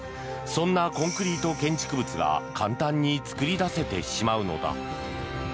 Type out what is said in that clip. そんなコンクリート建築物が簡単に造り出せてしまうのだ。